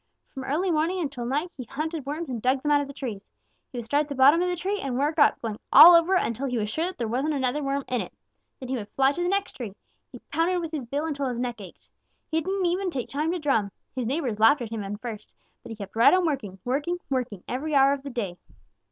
From early morning until night he hunted worms and dug them out of the trees. He would start at the bottom of a tree and work up, going all over it until he was sure that there wasn't another worm left. Then he would fly to the next tree. He pounded with his bill until his neck ached. He didn't even take time to drum. His neighbors laughed at him at first, but he kept right on working, working, working every hour of the day.